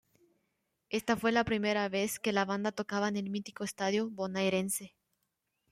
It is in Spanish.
Esta fue la primera vez que la banda tocaba en el mítico estadio bonaerense.